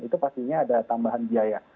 itu pastinya ada tambahan biaya